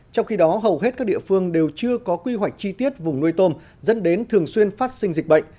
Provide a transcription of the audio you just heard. trong khi đó hầu hết các địa phương đều chưa có quy hoạch chi tiết vùng nuôi tôm dẫn đến thường xuyên phát sinh dịch bệnh